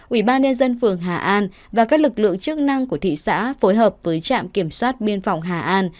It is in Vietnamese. ubnd phường hà an và các lực lượng chức năng của thị xã phối hợp với trạm kiểm soát biên phòng hà an